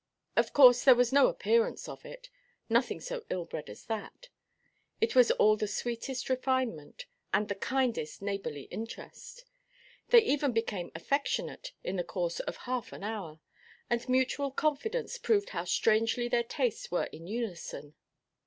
Of course, there was no appearance of it, nothing so ill–bred as that; it was all the sweetest refinement, and the kindest neighbourly interest. They even became affectionate in the course of half an hour, and mutual confidence proved how strangely their tastes were in unison.